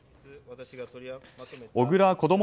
小倉こども